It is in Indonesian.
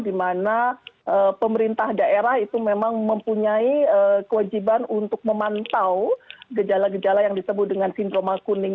di mana pemerintah daerah itu memang mempunyai kewajiban untuk memantau gejala gejala yang disebut dengan sindroma kuning